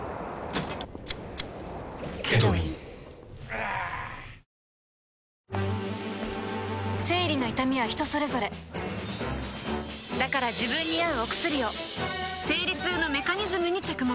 くーーーーーっ生理の痛みは人それぞれだから自分に合うお薬を生理痛のメカニズムに着目